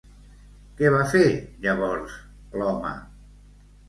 Què va fer llavors l'home?